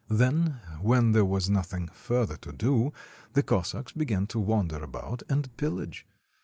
Then, when there was nothing further to do, the Cossacks began to wander about and pillage.